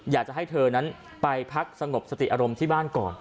อยากจะให้เธอนั้นไปพักสงบสติอารมณ์ที่บ้านก่อน